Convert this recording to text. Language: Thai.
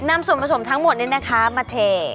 นำส่วนผสมทั้งหมดนี่นะคะมาเท